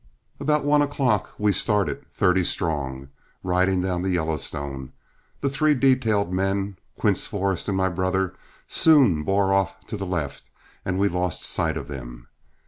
About one o'clock we started, thirty strong. Riding down the Yellowstone, the three detailed men, Quince Forrest, and my brother soon bore off to the left and we lost sight of them.